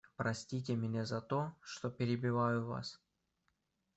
Простите меня за то, что перебиваю Вас.